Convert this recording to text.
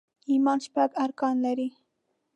ايمان شپږ ارکان لري